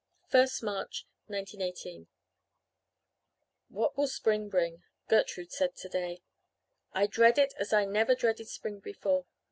1st March 1918 "'What will spring bring?' Gertrude said today. 'I dread it as I never dreaded spring before.